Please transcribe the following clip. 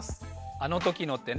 あのときのってね。